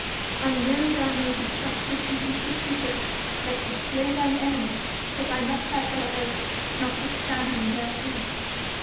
I know thou may be trusted even with the secret that would slay thine enemy. But I must have thy oath notwithstanding thereto.'